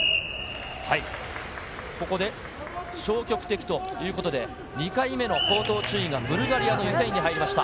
ここで消極的ということで、２回目の口頭注意が、ブルガリアのユセインに入りました。